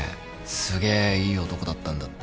すげえいい男だったんだって。